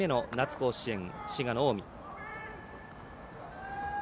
甲子園滋賀の近江。